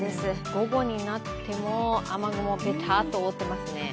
午後になっても雨雲、ベターッと覆っていますね。